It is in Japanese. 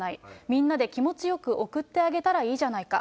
みんなで気持ちよく送ってあげたらいいじゃないか。